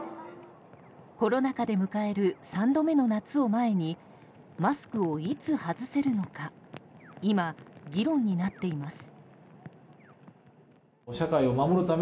コロナ禍で迎える３度目の夏を前にマスクをいつ外せるのか今、議論になっています。